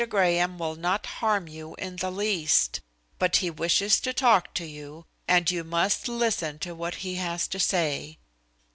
Graham will not harm you in the least. But he wishes to talk to you, and you must listen to what he has to say."